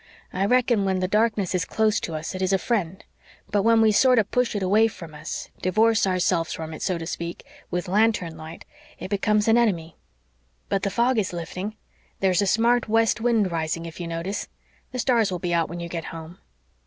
"I reckon when the darkness is close to us it is a friend. But when we sorter push it away from us divorce ourselves from it, so to speak, with lantern light it becomes an enemy. But the fog is lifting. "There's a smart west wind rising, if you notice. The stars will be out when you get home."